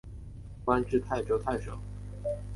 官至泰州太守。